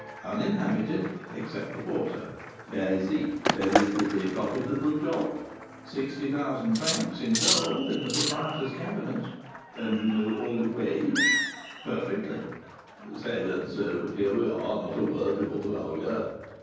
"Uninhabited, except the porter." "I see. And is it a profitable job?" "Sixty thousand francs in gold in the proprietor's cabinet." "And you know all the ways?" "Perfectly." "Silence, here we are; not a word before the vulgar.